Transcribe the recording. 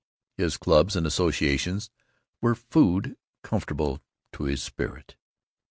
His clubs and associations were food comfortable to his spirit.